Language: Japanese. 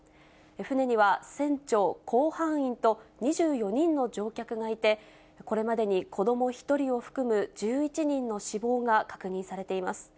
船には船長、甲板員と、２４人の乗客がいて、これまでに子ども１人を含む１１人の死亡が確認されています。